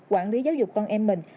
quản lý giáo dục con em mình